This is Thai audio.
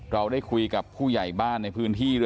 เขาว่าได้ยู่นี